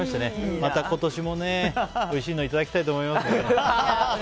また今年も、おいしいのいただきたいと思います。